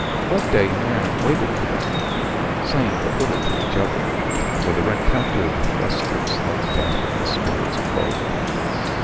Loveday and Anne waited for them, saying but little to each other, for the rencounter with Festus had damped the spirits of both.